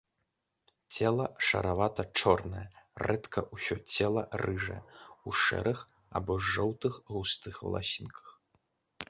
Цела шаравата-чорнае, рэдка ўсё цела рыжае, у шэрых або жоўтых густых валасінках.